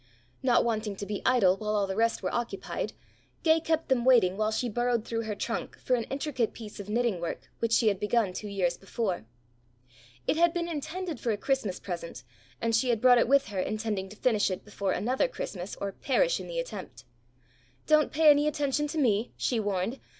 Not wanting to be idle while all the rest were occupied, Gay kept them waiting while she burrowed through her trunk for an intricate piece of knitting work which she had begun two years before. It had been intended for a Christmas present, and she had brought it with her intending to finish it before another Christmas or perish in the attempt. "Don't pay any attention to me," she warned.